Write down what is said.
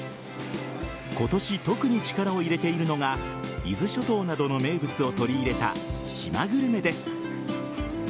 今年、特に力を入れているのが伊豆諸島などの名物を取り入れた島グルメです。